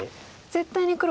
絶対に黒